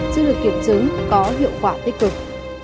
chưa được kiểm chứng có hiệu quả tích cực